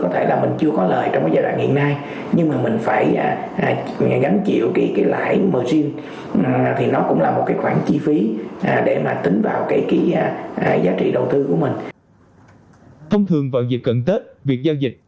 thông thường vào dịp cận tết việc giao dịch